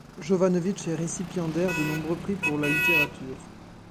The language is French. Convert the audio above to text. Jovanovic est récipiendaire de nombreux prix pour la littérature.